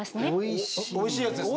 おいしいやつですね。